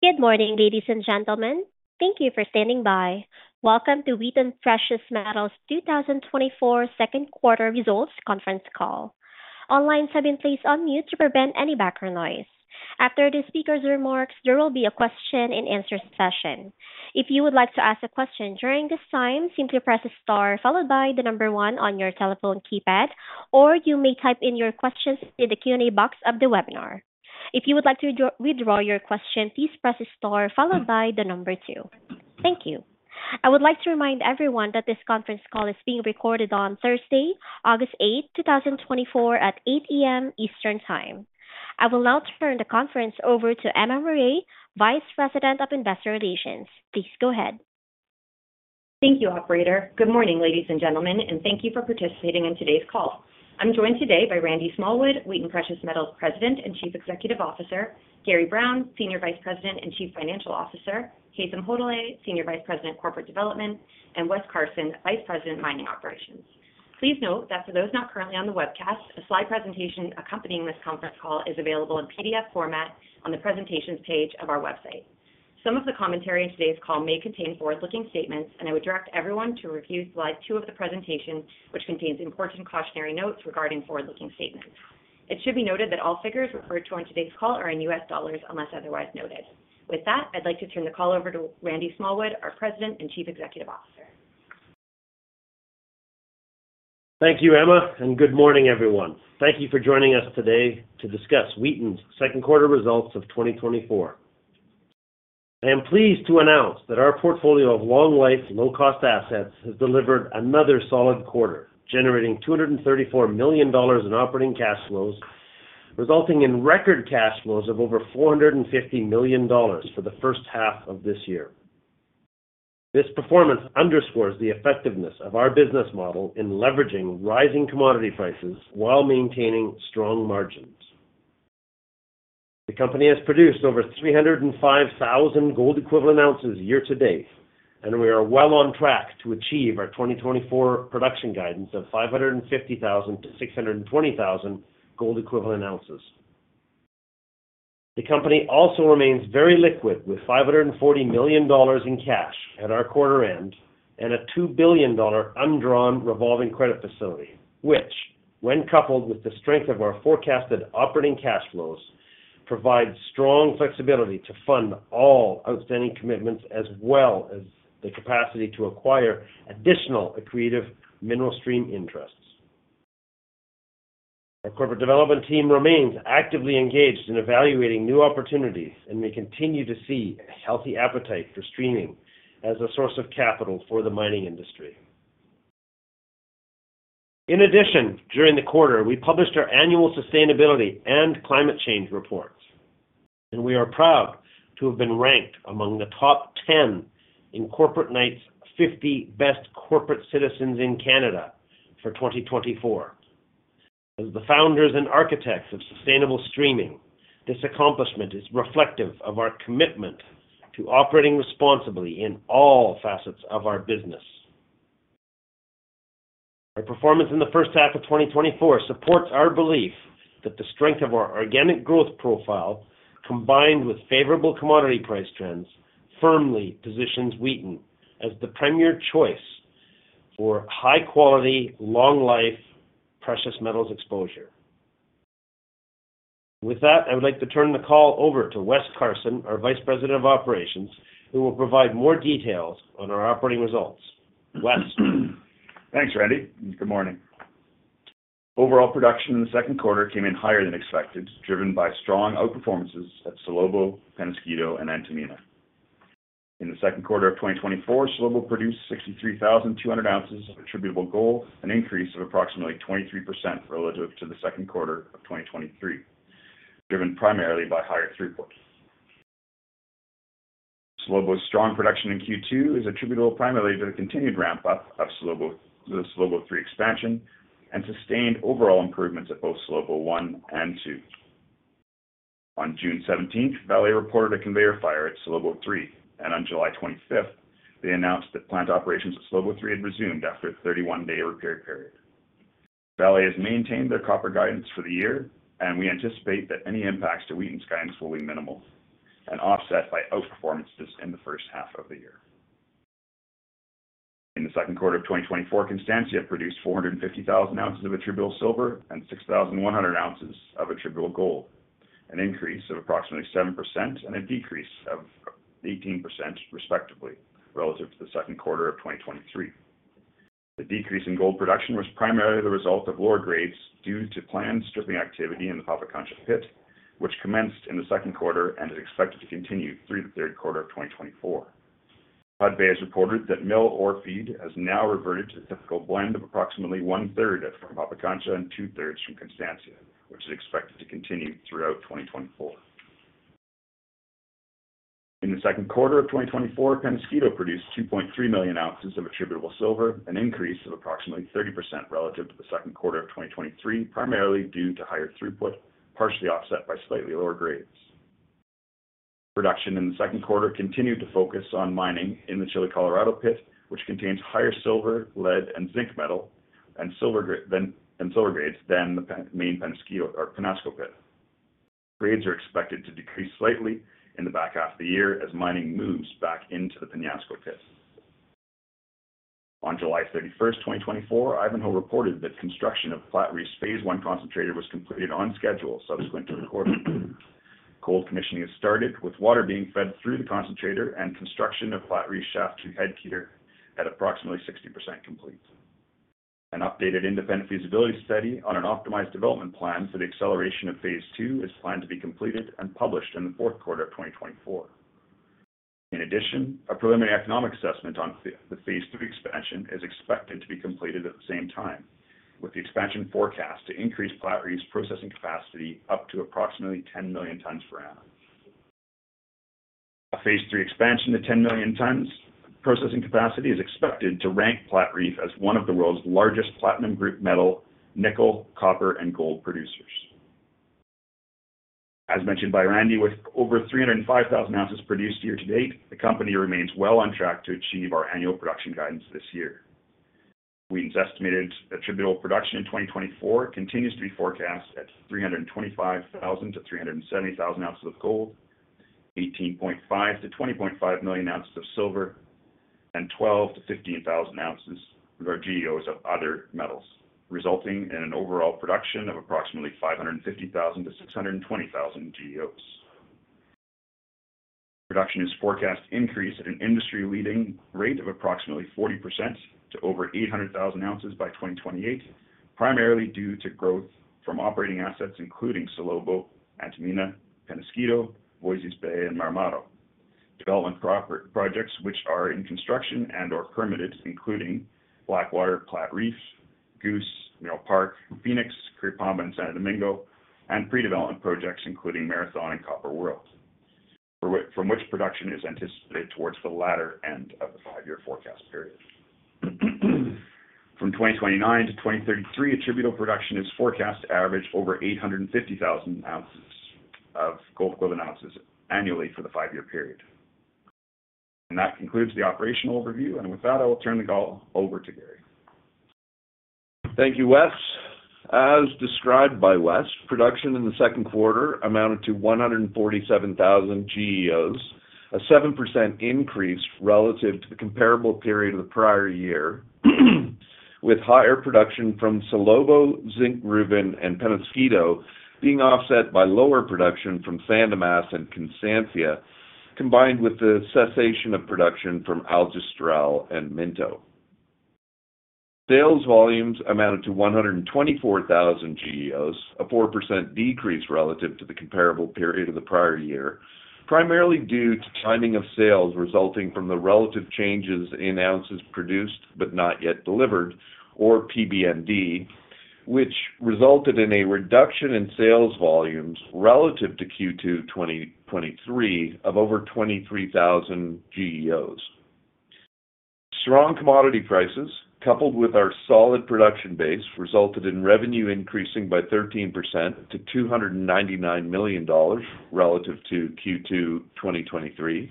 Good morning, ladies and gentlemen. Thank you for standing by. Welcome to Wheaton Precious Metals' 2024 second quarter results conference call. All lines have been placed on mute to prevent any background noise. After the speaker's remarks, there will be a question-and-answer session. If you would like to ask a question during this time, simply press star followed by the number one on your telephone keypad, or you may type in your questions in the Q&A box of the webinar. If you would like to withdraw your question, please press star followed by the number two. Thank you. I would like to remind everyone that this conference call is being recorded on Thursday, August 8th, 2024, at 8:00AM Eastern Time. I will now turn the conference over to Emma Murray, Vice President of Investor Relations. Please go ahead. Thank you, operator. Good morning, ladies and gentlemen, and thank you for participating in today's call. I'm joined today by Randy Smallwood, Wheaton Precious Metals President and Chief Executive Officer, Gary Brown, Senior Vice President and Chief Financial Officer, Haytham Hodaly, Senior Vice President, Corporate Development, and Wes Carson, Vice President, Mining Operations. Please note that for those not currently on the webcast, a slide presentation accompanying this conference call is available in PDF format on the presentations page of our website. Some of the commentary in today's call may contain forward-looking statements, and I would direct everyone to review slide two of the presentation, which contains important cautionary notes regarding forward-looking statements. It should be noted that all figures referred to on today's call are in U.S. dollars, unless otherwise noted. With that, I'd like to turn the call over to Randy Smallwood, our President and Chief Executive Officer. Thank you, Emma, and good morning, everyone. Thank you for joining us today to discuss Wheaton's second quarter results of 2024. I am pleased to announce that our portfolio of long-life, low-cost assets has delivered another solid quarter, generating $234 million in operating cash flows, resulting in record cash flows of over $450 million for the first half of this year. This performance underscores the effectiveness of our business model in leveraging rising commodity prices while maintaining strong margins. The company has produced over 305,000 gold equivalent ounces year to date, and we are well on track to achieve our 2024 production guidance of 550,000-620,000 gold equivalent ounces. The company also remains very liquid, with $540 million in cash at our quarter end and a $2 billion undrawn revolving credit facility, which, when coupled with the strength of our forecasted operating cash flows, provides strong flexibility to fund all outstanding commitments, as well as the capacity to acquire additional accretive mineral stream interests. Our corporate development team remains actively engaged in evaluating new opportunities and may continue to see a healthy appetite for streaming as a source of capital for the mining industry. In addition, during the quarter, we published our annual sustainability and climate change reports, and we are proud to have been ranked among the top 10 in Corporate Knights' 50 Best Corporate Citizens in Canada for 2024. As the founders and architects of sustainable streaming, this accomplishment is reflective of our commitment to operating responsibly in all facets of our business. Our performance in the first half of 2024 supports our belief that the strength of our organic growth profile, combined with favorable commodity price trends, firmly positions Wheaton as the premier choice for high quality, long life, precious metals exposure. With that, I would like to turn the call over to Wes Carson, our Vice President of Operations, who will provide more details on our operating results. Wes? Thanks, Randy, and good morning. Overall production in the second quarter came in higher than expected, driven by strong outperformances at Salobo, Peñasquito, and Antamina. In the second quarter of 2024, Salobo produced 63,200 ounces of attributable gold, an increase of approximately 23% relative to the second quarter of 2023, driven primarily by higher throughput. Salobo's strong production in Q2 is attributable primarily to the continued ramp-up of the Salobo III expansion and sustained overall improvements at both Salobo I and II. On June seventeenth, Vale reported a conveyor fire at Salobo III, and on July twenty-fifth, they announced that plant operations at Salobo III had resumed after a 31-day repair period. Vale has maintained their copper guidance for the year, and we anticipate that any impacts to Wheaton's guidance will be minimal and offset by outperformance in the first half of the year. In the second quarter of 2024, Constancia produced 450,000 ounces of attributable silver and 6,100 ounces of attributable gold, an increase of approximately 7% and a decrease of 18% respectively, relative to the second quarter of 2023. The decrease in gold production was primarily the result of lower grades due to planned stripping activity in the Papacancha pit, which commenced in the second quarter and is expected to continue through the third quarter of 2024. Hudbay has reported that mill ore feed has now reverted to the typical blend of approximately one-third from Papacancha and two-thirds from Constancia, which is expected to continue throughout 2024. In the second quarter of 2024, Peñasquito produced 2.3 million ounces of attributable silver, an increase of approximately 30% relative to the second quarter of 2023, primarily due to higher throughput, partially offset by slightly lower grades. Production in the second quarter continued to focus on mining in the Chile Colorado pit, which contains higher silver, lead and zinc metal and silver grades than the main Peñasquito or Peñasquito Pit. Grades are expected to decrease slightly in the back half of the year as mining moves back into the Peñasquito Pit. On July 31st, 2024, Ivanhoe reported that construction of Platreef's phase one concentrator was completed on schedule subsequent to the quarter. Cold commissioning has started, with water being fed through the concentrator and construction of Platreef shaft to head gear at approximately 60% complete. An updated independent feasibility study on an optimized development plan for the acceleration of phase two is planned to be completed and published in the fourth quarter of 2024. In addition, a preliminary economic assessment on the phase three expansion is expected to be completed at the same time, with the expansion forecast to increase Platreef's processing capacity up to approximately 10 million tons per annum. A phase three expansion to 10 million tons processing capacity is expected to rank Platreef as one of the world's largest platinum group metal, nickel, copper, and gold producers. As mentioned by Randy, with over 305,000 ounces produced year to date, the company remains well on track to achieve our annual production guidance this year. We've estimated attributable production in 2024 continues to be forecast at 325,000 ounces-370,000 ounces of gold, 18.5 million ounces-20 million ounces of silver, and 12,000 ounces-15,000 ounces of our GEOs of other metals, resulting in an overall production of approximately 550,000-620,000 GEOs. Production is forecast to increase at an industry-leading rate of approximately 40% to over 800,000 ounces by 2028, primarily due to growth from operating assets, including Salobo, Antamina, Peñasquito, Moisés Bay, and Marmato. Development projects which are in construction and/or permitted, including Blackwater, Platreef, Goose, Mineral Park, Phoenix, Crippa, and Santo Domingo, and pre-development projects, including Marathon and Copper World, from which production is anticipated towards the latter end of the five-year forecast period. From 2029 to 2033, attributable production is forecast to average over 850,000 ounces of gold equivalent ounces annually for the five-year period. And that concludes the operational review. And with that, I will turn the call over to Gary. Thank you, Wes. As described by Wes, production in the second quarter amounted to 147,000 GEOs, a 7% increase relative to the comparable period of the prior year, with higher production from Salobo, Zinkgruvan, and Peñasquito being offset by lower production from San Dimas and Constancia, combined with the cessation of production from Aljustrel and Minto. Sales volumes amounted to 124,000 GEOs, a 4% decrease relative to the comparable period of the prior year, primarily due to timing of sales resulting from the relative changes in ounces produced but not yet delivered, or PBND, which resulted in a reduction in sales volumes relative to Q2 2023 of over 23,000 GEOs. Strong commodity prices, coupled with our solid production base, resulted in revenue increasing by 13% to $299 million relative to Q2 2023.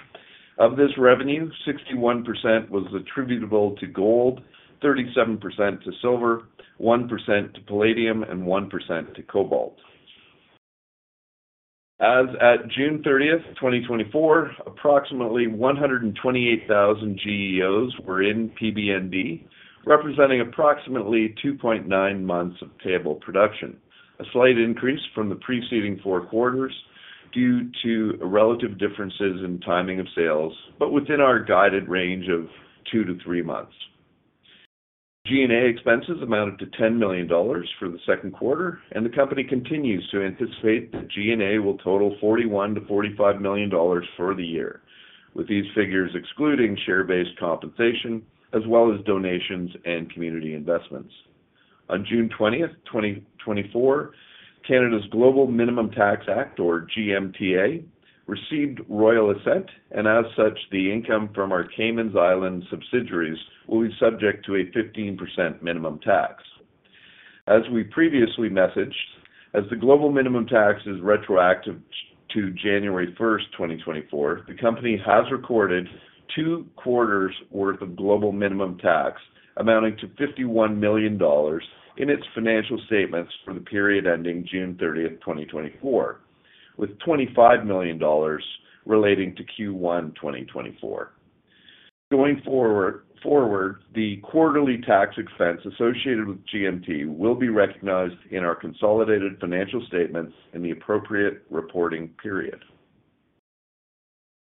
Of this revenue, 61% was attributable to gold, 37% to silver, 1% to palladium, and 1% to cobalt. As at June 30, 2024, approximately 128,000 GEOs were in PBND, representing approximately 2.9 months of payable production, a slight increase from the preceding four quarters due to relative differences in timing of sales, but within our guided range of 2-3 months. G&A expenses amounted to $10 million for the second quarter, and the company continues to anticipate that G&A will total $41 million-$45 million for the year, with these figures excluding share-based compensation, as well as donations and community investments. On June 20, 2024, Canada's Global Minimum Tax Act, or GMTA, received royal assent, and as such, the income from our Cayman Islands subsidiaries will be subject to a 15% minimum tax. As we previously messaged, as the global minimum tax is retroactive to January 1, 2024, the company has recorded two quarters' worth of global minimum tax amounting to $51 million in its financial statements for the period ending June 30, 2024, with $25 million relating to Q1 2024. Going forward, the quarterly tax expense associated with GMT will be recognized in our consolidated financial statements in the appropriate reporting period.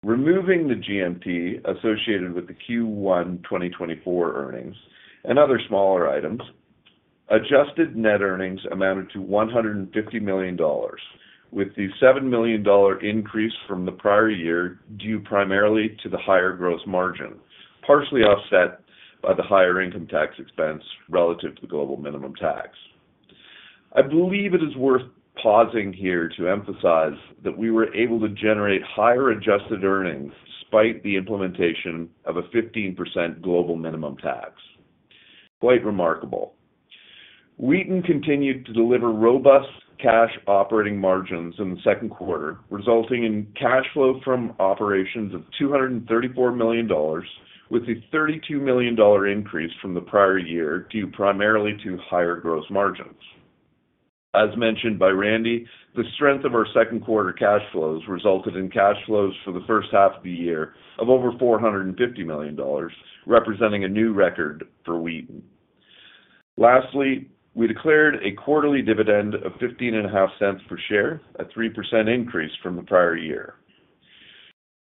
Removing the GMT associated with the Q1 2024 earnings and other smaller items, adjusted net earnings amounted to $150 million, with the $7 million increase from the prior year due primarily to the higher gross margin, partially offset by the higher income tax expense relative to the global minimum tax. I believe it is worth pausing here to emphasize that we were able to generate higher adjusted earnings despite the implementation of a 15% global minimum tax. Quite remarkable. Wheaton continued to deliver robust cash operating margins in the second quarter, resulting in cash flow from operations of $234 million, with a $32 million increase from the prior year, due primarily to higher gross margins. As mentioned by Randy, the strength of our second quarter cash flows resulted in cash flows for the first half of the year of over $450 million, representing a new record for Wheaton. Lastly, we declared a quarterly dividend of $0.155 per share, a 3% increase from the prior year.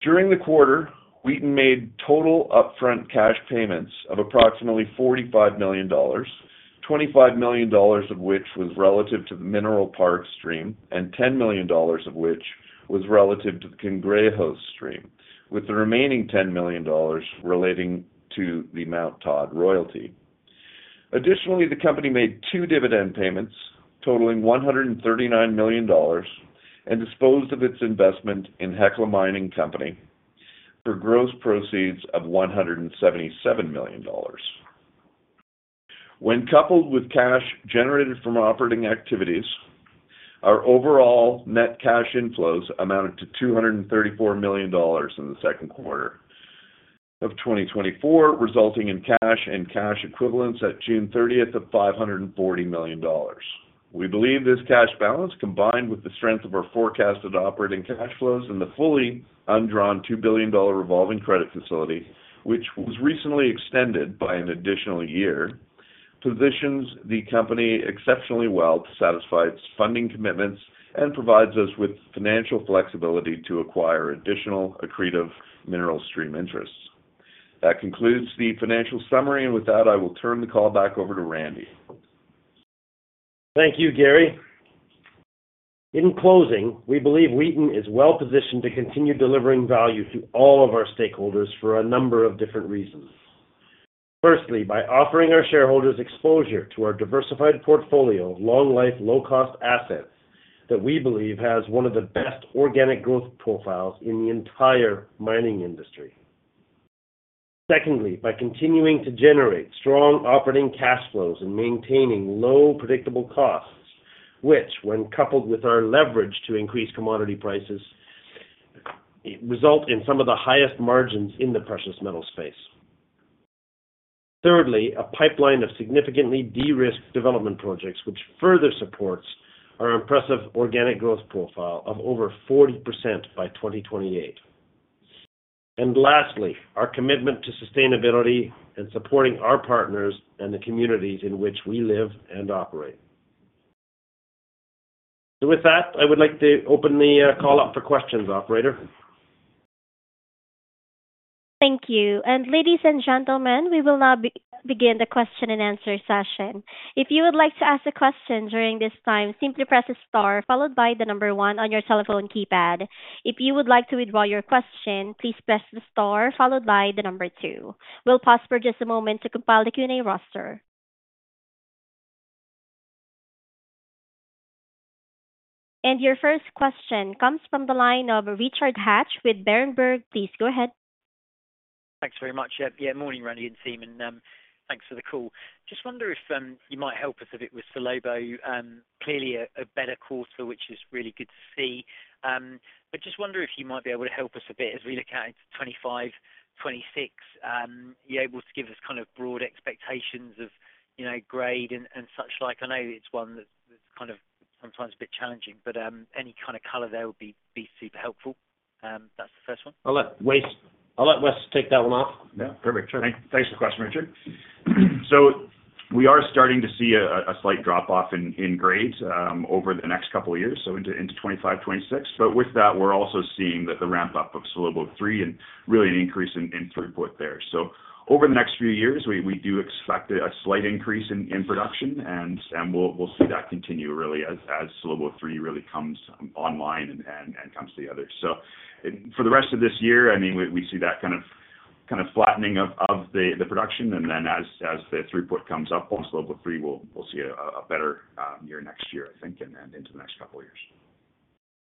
During the quarter, Wheaton made total upfront cash payments of approximately $45 million, $25 million of which was relative to the Mineral Park Stream, and $10 million of which was relative to the Cangrejos Stream, with the remaining $10 million relating to the Mount Todd royalty. Additionally, the company made 2 dividend payments totaling $139 million, and disposed of its investment in Hecla Mining Company for gross proceeds of $177 million. When coupled with cash generated from operating activities, our overall net cash inflows amounted to $234 million in the second quarter of 2024, resulting in cash and cash equivalents at June 30 of $540 million. We believe this cash balance, combined with the strength of our forecasted operating cash flows and the fully undrawn $2 billion revolving credit facility, which was recently extended by an additional year, positions the company exceptionally well to satisfy its funding commitments and provides us with financial flexibility to acquire additional accretive mineral stream interests. That concludes the financial summary, and with that, I will turn the call back over to Randy. Thank you, Gary. In closing, we believe Wheaton is well positioned to continue delivering value to all of our stakeholders for a number of different reasons. Firstly, by offering our shareholders exposure to our diversified portfolio of long-life, low-cost assets that we believe has one of the best organic growth profiles in the entire mining industry. Secondly, by continuing to generate strong operating cash flows and maintaining low, predictable costs, which, when coupled with our leverage to increase commodity prices, result in some of the highest margins in the precious metal space. Thirdly, a pipeline of significantly de-risked development projects, which further supports our impressive organic growth profile of over 40% by 2028. And lastly, our commitment to sustainability and supporting our partners and the communities in which we live and operate. So with that, I would like to open the call up for questions, operator. Thank you. Ladies and gentlemen, we will now begin the question and answer session. If you would like to ask a question during this time, simply press star followed by the number one on your telephone keypad. If you would like to withdraw your question, please press the star followed by the number two. We'll pause for just a moment to compile the Q&A roster. Your first question comes from the line of Richard Hatch with Berenberg. Please go ahead. Thanks very much. Yeah, morning, Randy and team, and thanks for the call. Just wonder if you might help us a bit with Salobo. Clearly a better quarter, which is really good to see. But just wonder if you might be able to help us a bit as we look out into 2025, 2026. You able to give us kind of broad expectations of, you know, grade and such like? I know it's one that's kind of sometimes a bit challenging, but any kind of color there would be super helpful. That's the first one. I'll let Wes take that one off. Yeah, perfect. Sure. Thanks for the question, Richard. So we are starting to see a slight drop off in grades over the next couple of years, so into 25, 26. But with that, we're also seeing that the ramp-up of Salobo III and really an increase in throughput there. So over the next few years, we do expect a slight increase in production, and we'll see that continue really as Salobo III really comes online and comes together. So for the rest of this year, I mean, we see that kind of flattening of the production, and then as the throughput comes up on Salobo III, we'll see a better year next year, I think, and then into the next couple of years.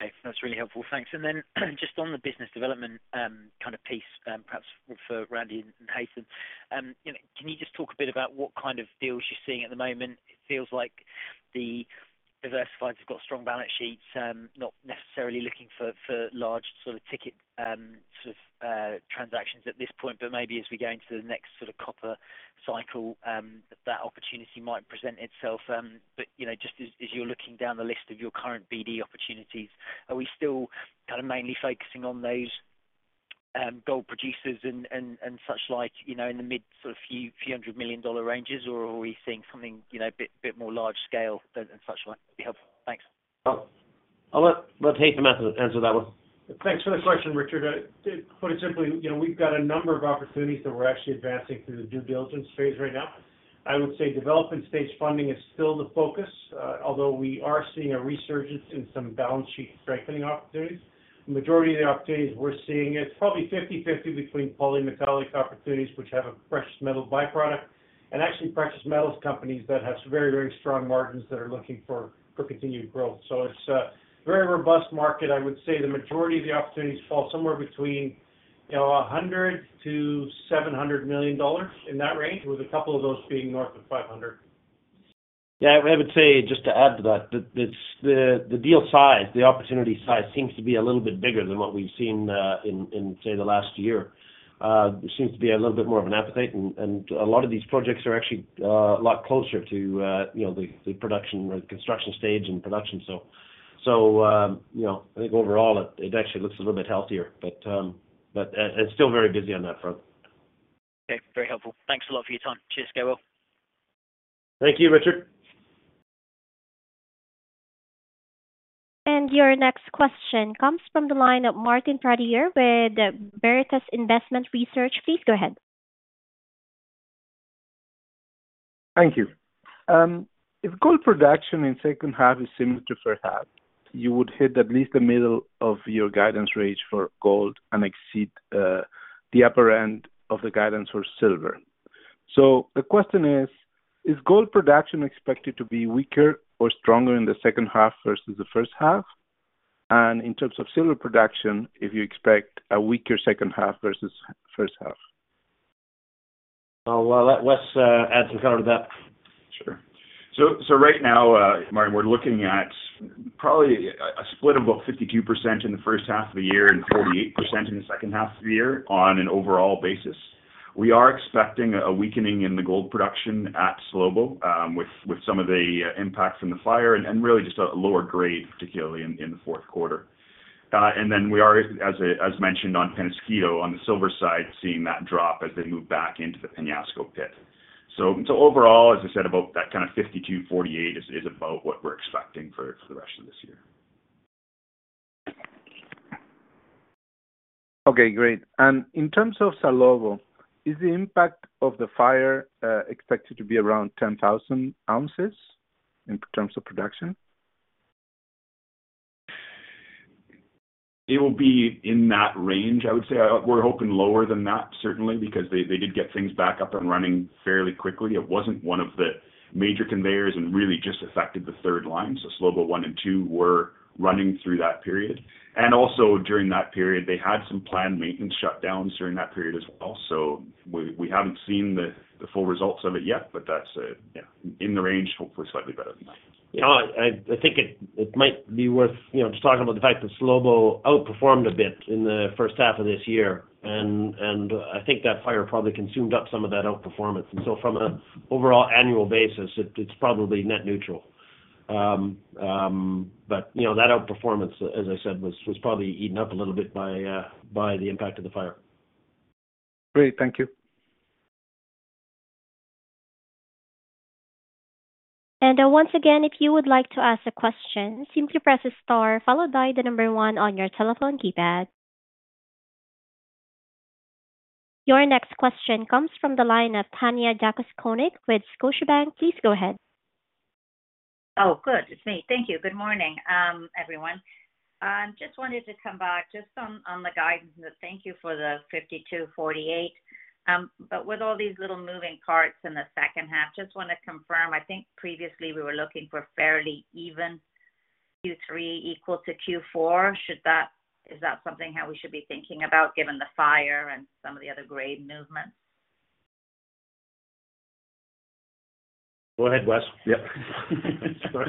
Okay. That's really helpful. Thanks. Then just on the business development, kind of piece, perhaps for Randy and Haytham. You know, can you just talk a bit about what kind of deals you're seeing at the moment? It feels like the diversifiers have got strong balance sheets, not necessarily looking for, for large sort of ticket, sort of, transactions at this point, but maybe as we go into the next sort of copper cycle, that opportunity might present itself. But, you know, just as, as you're looking down the list of your current BD opportunities, are we still kind of mainly focusing on those, gold producers and, and, and such like, you know, in the mid sort of few, few $100 million ranges? Or are we seeing something, you know, a bit, bit more large scale than, and such like? That'd be helpful. Thanks. I'll let Haytham answer that one. Thanks for the question, Richard. To put it simply, you know, we've got a number of opportunities that we're actually advancing through the due diligence phase right now. I would say development stage funding is still the focus, although we are seeing a resurgence in some balance sheet strengthening opportunities. The majority of the opportunities we're seeing, it's probably 50/50 between polymetallic opportunities, which have a precious metal byproducts, and actually precious metals companies that have very, very strong margins that are looking for, for continued growth. So it's a very robust market. I would say the majority of the opportunities fall somewhere between you know, $100 million-$700 million in that range, with a couple of those being north of $500 million. Yeah, I would say, just to add to that, that it's the deal size, the opportunity size seems to be a little bit bigger than what we've seen in say the last year. There seems to be a little bit more of an appetite, and a lot of these projects are actually a lot closer to you know the production or the construction stage and production. So you know I think overall it actually looks a little bit healthier. But it's still very busy on that front. Okay, very helpful. Thanks a lot for your time. Cheers, Haytham. Thank you, Richard. Your next question comes from the line of Martin Pradier with the Veritas Investment Research. Please go ahead. Thank you. If gold production in second half is similar to first half, you would hit at least the middle of your guidance range for gold and exceed the upper end of the guidance for silver. So the question is: Is gold production expected to be weaker or stronger in the second half versus the first half? And in terms of silver production, if you expect a weaker second half versus first half? I'll let Wes add some color to that. Sure. So right now, Martin, we're looking at probably a split of about 52% in the first half of the year and 48% in the second half of the year on an overall basis. We are expecting a weakening in the gold production at Salobo, with some of the impacts from the fire and really just a lower grade, particularly in the fourth quarter. And then we are, as mentioned on Peñasquito, on the silver side, seeing that drop as they move back into the Peñasquito pit. So overall, as I said, about that kind of 52, 48 is about what we're expecting for the rest of this year. Okay, great. And in terms of Salobo, is the impact of the fire expected to be around 10,000 ounces in terms of production? It will be in that range, I would say. We're hoping lower than that, certainly, because they did get things back up and running fairly quickly. It wasn't one of the major conveyors and really just affected the third line. So Salobo I and II were running through that period. And also, during that period, they had some planned maintenance shutdowns during that period as well. So we haven't seen the full results of it yet, but that's, yeah, in the range, hopefully slightly better than that. You know, I think it might be worth, you know, just talking about the fact that Salobo outperformed a bit in the first half of this year. And I think that fire probably consumed up some of that outperformance. And so from an overall annual basis, it's probably net neutral. But you know, that outperformance, as I said, was probably eaten up a little bit by the impact of the fire. Great. Thank you. Once again, if you would like to ask a question, simply press star, followed by the number one on your telephone keypad. Your next question comes from the line of Tanya Jakusconek with Scotiabank. Please go ahead. Oh, good. It's me. Thank you. Good morning, everyone. Just wanted to come back just on, on the guidance. Thank you for the 52, 48. But with all these little moving parts in the second half, just want to confirm, I think previously we were looking for fairly even Q3 equal to Q4. Should that? Is that something how we should be thinking about, given the fire and some of the other grade movements? Go ahead, Wes. Yep. Sure.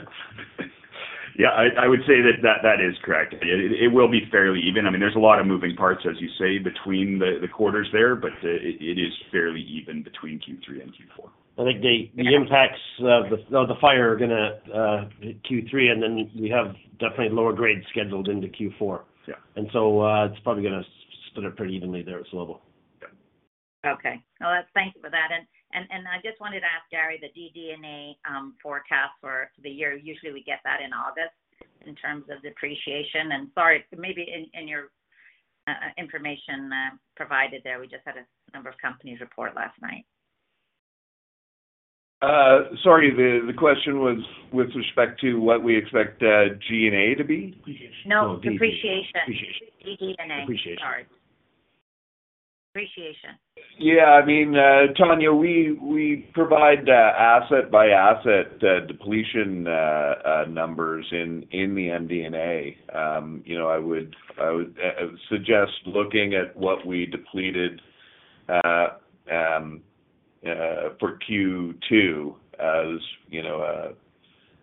Yeah, I would say that is correct. It will be fairly even. I mean, there's a lot of moving parts, as you say, between the quarters there, but it is fairly even between Q3 and Q4. I think the impacts of the fire are gonna hit Q3, and then we have definitely lower grades scheduled into Q4. Yeah. And so, it's probably gonna split it pretty evenly there as well. Yeah. Okay. Well, let's thank you for that. And I just wanted to ask Gary, the DD&A forecast for the year. Usually, we get that in August in terms of depreciation. And sorry, maybe in your information provided there, we just had a number of companies report last night. Sorry, the question was with respect to what we expect, G&A to be? Depreciation. No, depreciation. Depreciation. DD&A. Depreciation. Sorry. Depreciation. Yeah. I mean, Tanya, we provide asset-by-asset depletion numbers in the MD&A. You know, I would suggest looking at what we depleted for Q2, as you know,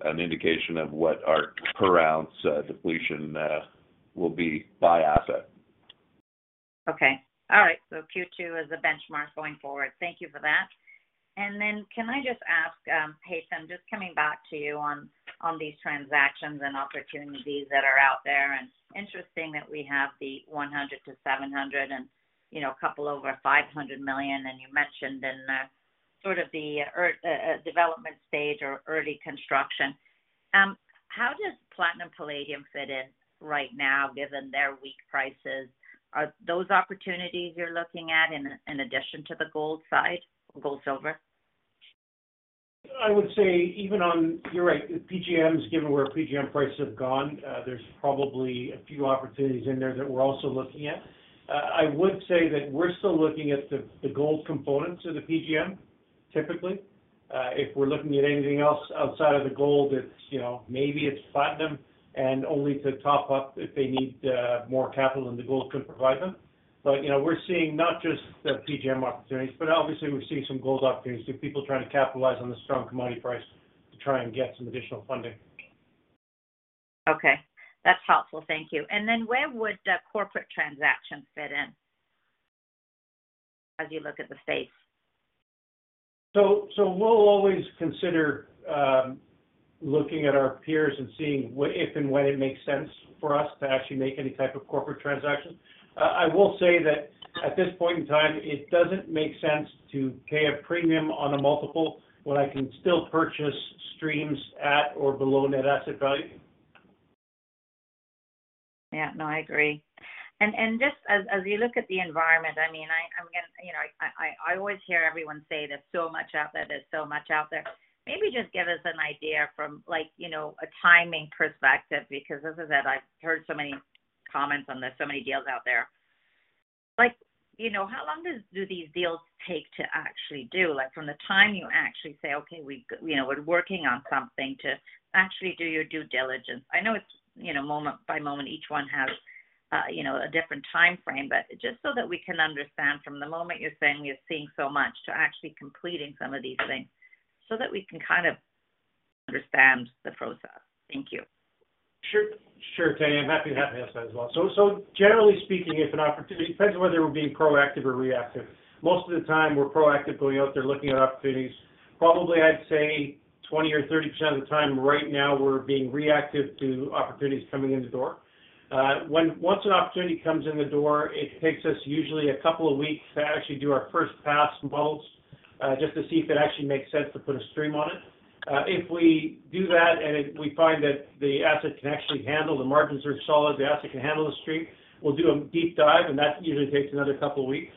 an indication of what our per ounce depletion will be by asset. Okay. All right. So Q2 is the benchmark going forward. Thank you for that. And then can I just ask, Haytham, just coming back to you on these transactions and opportunities that are out there, and interesting that we have the $100 million-$700 million, you know, a couple over $500 million, and you mentioned in sort of the early development stage or early construction. How does platinum palladium fit in right now, given their weak prices? Are those opportunities you're looking at in addition to the gold side, gold, silver? I would say even on... You're right, PGMs, given where PGM prices have gone, there's probably a few opportunities in there that we're also looking at. I would say that we're still looking at the gold components of the PGM typically, if we're looking at anything else outside of the gold, it's, you know, maybe it's platinum, and only to top up if they need more capital than the gold could provide them. But, you know, we're seeing not just the PGM opportunities, but obviously we're seeing some gold opportunities, so people trying to capitalize on the strong commodity price to try and get some additional funding. Okay, that's helpful. Thank you. Then where would the corporate transaction fit in as you look at the space? So we'll always consider looking at our peers and seeing what if and when it makes sense for us to actually make any type of corporate transaction. I will say that at this point in time, it doesn't make sense to pay a premium on a multiple when I can still purchase streams at or below net asset value. Yeah, no, I agree. And just as you look at the environment, I mean, I'm gonna, you know, I always hear everyone say there's so much out there, there's so much out there. Maybe just give us an idea from like, you know, a timing perspective, because as I said, I've heard so many comments on this, so many deals out there. Like, you know, how long do these deals take to actually do? Like, from the time you actually say, "Okay, we, you know, we're working on something," to actually do your due diligence. I know it's, you know, moment by moment, each one has, you know, a different timeframe, but just so that we can understand from the moment you're saying you're seeing so much to actually completing some of these things, so that we can kind of understand the process. Thank you. Sure. Sure, Tanya. I'm happy, happy to answer as well. So, generally speaking, if an opportunity depends on whether we're being proactive or reactive. Most of the time, we're proactive, going out there, looking at opportunities. Probably, I'd say 20% or 30% of the time right now, we're being reactive to opportunities coming in the door. Once an opportunity comes in the door, it takes us usually a couple of weeks to actually do our first pass models, just to see if it actually makes sense to put a stream on it. If we do that and we find that the asset can actually handle, the margins are solid, the asset can handle the stream, we'll do a deep dive, and that usually takes another couple of weeks.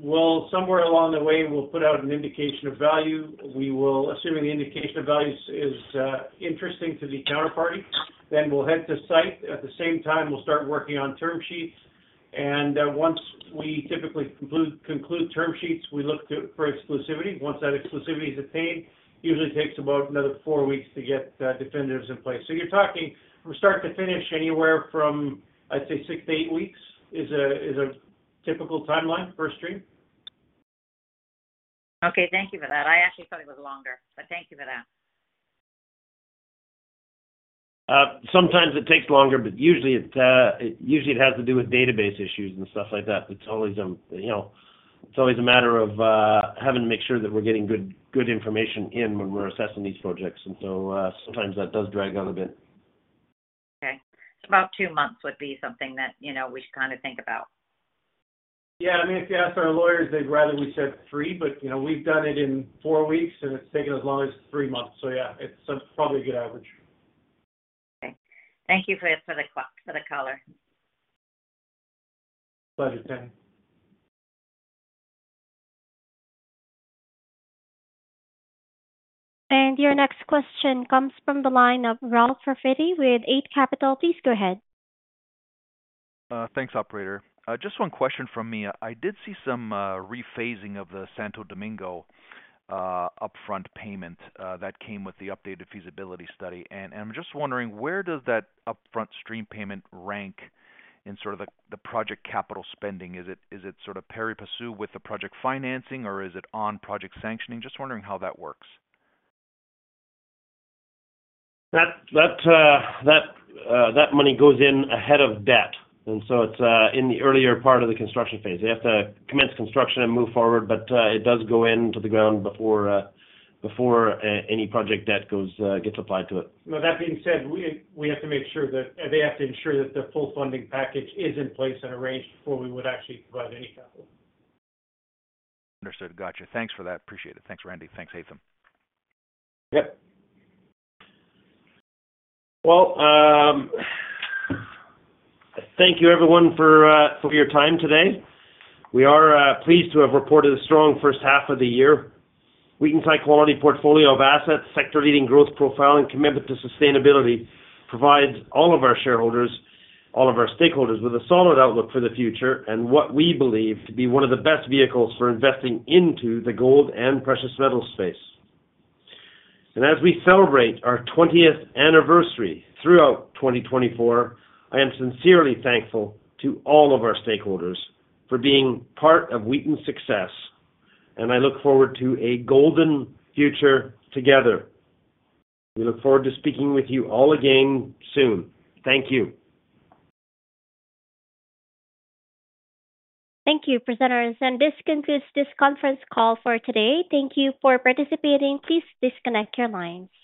We'll somewhere along the way, we'll put out an indication of value. We will assuming the indication of value is interesting to the counterparty, then we'll head to site. At the same time, we'll start working on term sheets, and once we typically conclude term sheets, we look to for exclusivity. Once that exclusivity is obtained, usually takes about another four weeks to get definitive in place. So you're talking from start to finish, anywhere from, I'd say, six to eight weeks is a typical timeline for a stream. Okay, thank you for that. I actually thought it was longer, but thank you for that. Sometimes it takes longer, but usually it has to do with database issues and stuff like that. It's always, you know, a matter of having to make sure that we're getting good information in when we're assessing these projects, and so sometimes that does drag out a bit. Okay. So about two months would be something that, you know, we should kind of think about? Yeah. I mean, if you ask our lawyers, they'd rather we said three, but, you know, we've done it in four weeks, and it's taken as long as three months. So yeah, it's probably a good average. Okay. Thank you for the call, for the caller. Pleasure, Tammy. Your next question comes from the line of Ralph Profiti with Eight Capital. Please go ahead. Thanks, operator. Just one question from me. I did see some rephasing of the Santo Domingo upfront payment that came with the updated feasibility study. And I'm just wondering, where does that upfront stream payment rank in sort of the project capital spending? Is it sort of pari passu with the project financing, or is it on project sanctioning? Just wondering how that works. That money goes in ahead of debt, and so it's in the earlier part of the construction phase. They have to commence construction and move forward, but it does go in to the ground before any project debt goes, gets applied to it. With that being said, they have to ensure that the full funding package is in place and arranged before we would actually provide any capital. Understood. Gotcha. Thanks for that. Appreciate it. Thanks, Randy. Thanks, Haytham. Yep. Well, thank you everyone for, for your time today. We are pleased to have reported a strong first half of the year. Wheaton's high-quality portfolio of assets, sector leading growth profile, and commitment to sustainability provides all of our shareholders, all of our stakeholders, with a solid outlook for the future and what we believe to be one of the best vehicles for investing into the gold and precious metal space. And as we celebrate our twentieth anniversary throughout 2024, I am sincerely thankful to all of our stakeholders for being part of Wheaton's success, and I look forward to a golden future together. We look forward to speaking with you all again soon. Thank you. Thank you, presenters. This concludes this conference call for today. Thank you for participating. Please disconnect your lines.